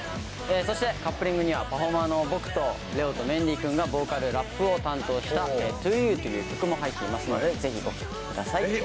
そしてカップリングにはパフォーマーの僕と玲於とメンディー君がボーカルラップを担当した『ｔｏＵ』という曲も入っていますのでぜひお聴きください。